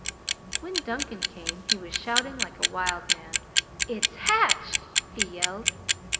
When Duncan came he was shouting like a wild man. "It's hatched!" he yelled.